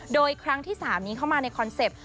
โดยครั้งที่๓นี้เข้ามาในคอนเซ็ปต์